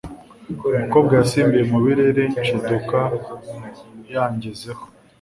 umukobwa yasimbiye mubirere nshiduka yanjyezeho